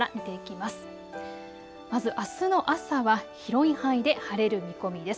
まずあすの朝は広い範囲で晴れる見込みです。